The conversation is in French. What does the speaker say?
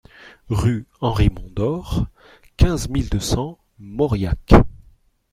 Rue Henri Mondor, quinze mille deux cents Mauriac